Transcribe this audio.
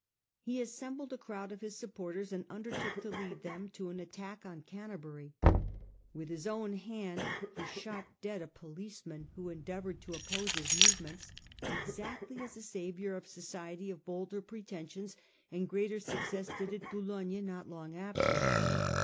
He assembled a crowd of his supporters, and undertook to lead them to an attack on Canter bury. With his own hand he shot dead a policeman 102 A HISTORY OF OUR OWN TIMES. OH. Y. who endeavoured to oppose Ms movements, exactly as a saviour of society of bolder pretensions and greater success did at Boulogne not long after.